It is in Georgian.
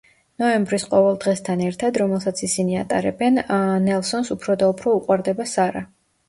ნოემბრის ყოველ დღესთან ერთად, რომელსაც ისინი ატარებენ, ნელსონს უფროდაუფრო უყვარდება სარა.